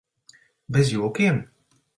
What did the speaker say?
Bez jokiem?